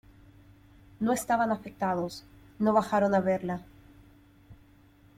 no estaban afectados. no bajaron a verla,